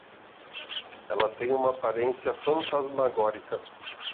Ela tem uma aparência fantasmagórica